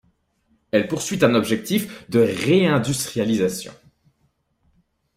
Elle poursuit un objectif de réindustrialisation.